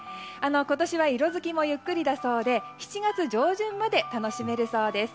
今年は色づきもゆっくりだそうで７月上旬まで楽しめるそうです。